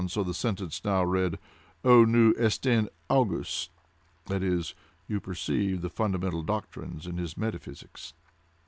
So the sentence now read 'δ υοῦς εστιν αυγος', and is, you perceive, the fundamental doctrines in his metaphysics."